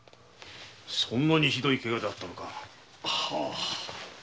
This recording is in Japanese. そんなにひどい怪我だったのか。